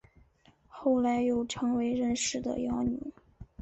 后来又成为任氏的养女。